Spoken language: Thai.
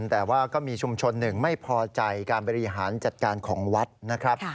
แต่ว่าก็มีชุมชนหนึ่งไม่พอใจการบริหารจัดการของวัดนะครับ